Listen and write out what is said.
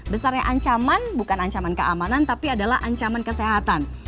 besarnya ancaman bukan ancaman keamanan tapi adalah ancaman kesehatan